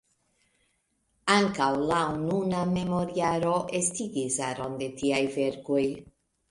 Ankaŭ la nuna memorjaro estigis aron da tiaj verkoj.